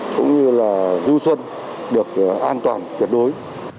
cũng như là du xuân được an toàn tuyệt đối